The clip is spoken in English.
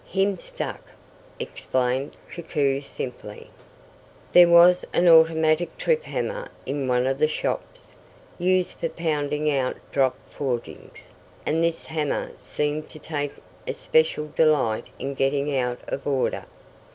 "Him stuck," explained Koku simply. There was an automatic trip hammer in one of the shops, used for pounding out drop forgings, and this hammer seemed to take especial delight in getting out of order.